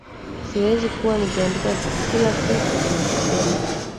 Siwezi kuwa nikiandika kila kitu unachosema